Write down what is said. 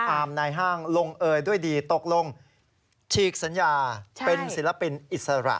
อามในห้างลงเอยด้วยดีตกลงฉีกสัญญาเป็นศิลปินอิสระ